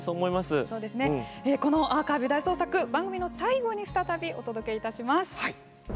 このアーカイブ大捜索番組の最後に再びお届けします。